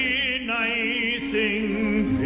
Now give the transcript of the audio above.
ไม่ได้ชีวภาษาสิ้นไป